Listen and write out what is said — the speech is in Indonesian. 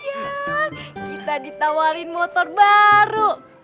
kita ditawarin motor baru